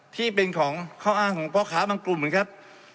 ที่เป็นของข้ออ้างของพ่อค้าบางกลุ่มเหมือนกัน